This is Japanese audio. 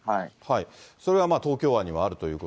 それが東京湾にはあるということ。